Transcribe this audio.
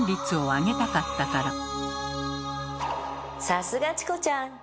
さすがチコちゃん！